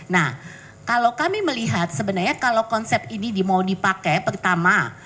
nah kalau kami melihat sebenarnya kalau konsep ini mau dipakai pertama